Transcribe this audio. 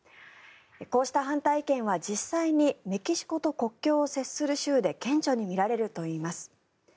こうした反対意見は、実際にメキシコと国境を接する州で顕著に見られるといいます。